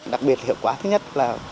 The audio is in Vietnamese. đặc biệt hiệu quả thứ nhất là